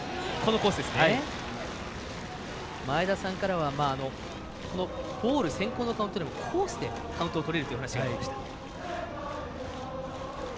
前田さんからはボール先行のカウントでもコースでカウントをとれるというお話がありました。